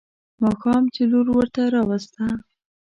ماښام چې لور ورته راوسته.